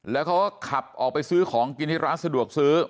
แล้วเขาก็ขับออกไปซื้อของกินที่ร้านสะดวกซื้อ